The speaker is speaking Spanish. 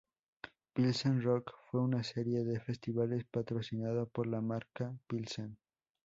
Pilsen Rock fue una serie de festivales patrocinado por la marca Pilsen.